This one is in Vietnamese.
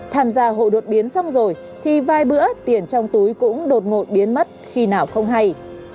tham gia hộ đột biến xong rồi thì vài bữa tiền trong túi cũng đột ngột biến mất khi nào không hay